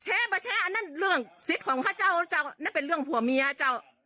มาแชร์อันนั้นเรื่องสิทธิ์ของข้าเจ้าเจ้านั่นเป็นเรื่องผัวเมียเจ้า